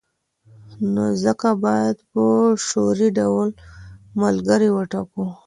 نو ځکه باید په شعوري ډول ملګري وټاکو.